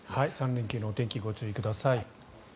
３連休のお天気ご注意ください。